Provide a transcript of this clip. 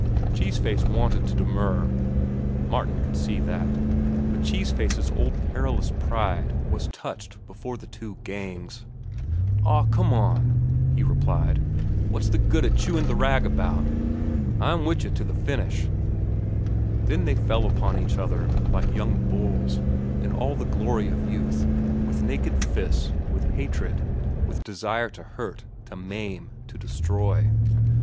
Cheese Face wanted to demur,—Martin could see that,—but Cheese Face's old perilous pride was touched before the two gangs. "Aw, come on," he replied. "Wot's the good of chewin' de rag about it? I'm wit' cheh to de finish." Then they fell upon each other, like young bulls, in all the glory of youth, with naked fists, with hatred, with desire to hurt, to maim, to destroy.